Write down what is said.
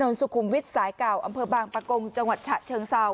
สุขุมวิทย์สายเก่าอำเภอบางปะกงจังหวัดฉะเชิงเซา